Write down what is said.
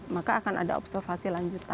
maka akan ada observasi lanjutan